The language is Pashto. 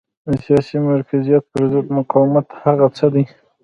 د سیاسي مرکزیت پرضد مقاومت هغه څه دي.